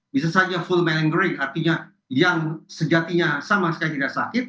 bisa saja full malengering artinya yang sejatinya sama sekali tidak sakit